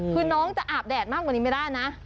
คือน้องจะอาบแดดมากกว่านี้ไม่ได้นะ